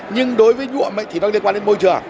nhưng đối với nhuộm thì nó liên quan đến môi trường